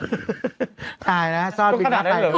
น่ะสอนบินค่าไฟ